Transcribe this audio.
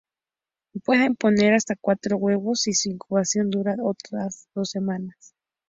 Pueden poner hasta cuatro huevos, y su incubación dura dos semanas.